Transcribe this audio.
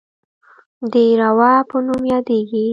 د روه په نوم یادیږي.